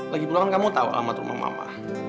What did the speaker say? lagipula kan kamu tahu alamat rumah mama